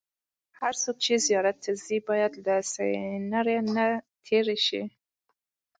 هر څوک چې زیارت ته ځي باید له سکېنر نه تېر شي.